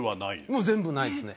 もう全部ないですね。